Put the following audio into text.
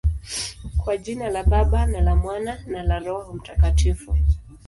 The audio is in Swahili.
Kwa jina la Baba, na la Mwana, na la Roho Mtakatifu.